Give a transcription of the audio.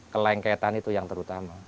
kelengketan itu yang terutama